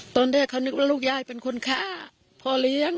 ตอนแรกเขานึกว่าลูกยายเป็นคนฆ่าพ่อเลี้ยง